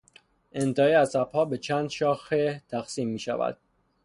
انتهای عصبها به چند شاخه تقسیم میشود.